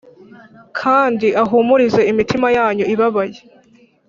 kandi ahumurize imitima yanyu ibabaye